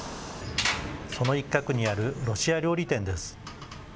その一角にあるロシア料理店です。